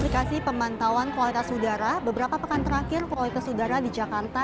kualitas udara di jakarta